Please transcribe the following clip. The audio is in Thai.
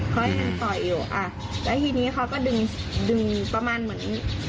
เขายังต่อยอยู่อ่ะแล้วทีนี้เขาก็ดึงดึงประมาณเหมือน